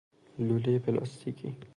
لولهی پلاستیکی